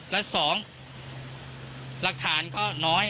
และ๒หลักฐานก็น้อย